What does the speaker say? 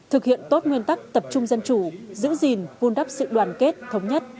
thực hiện tốt nguyên tắc tập trung dân chủ giữ gìn vun đắp sự đoàn kết thống nhất